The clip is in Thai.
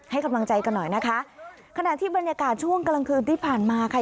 ให้กำลังใจกันหน่อยนะคะขณะที่บรรยากาศช่วงกลางคืนที่ผ่านมาค่ะ